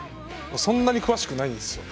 そんなに詳しくないんですよ。